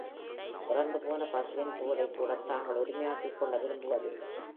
இறந்துபோன பசுவின் தோலைக்கூடத் தாங்கள் உரிமையாக்கிக் கொள்ள விரும்புவதில்லை.